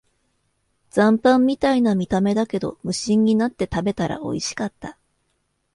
残飯みたいな見た目だけど、無心になって食べたらおいしかった